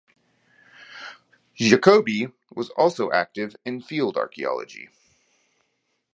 Jacobi was also active in field archaeology.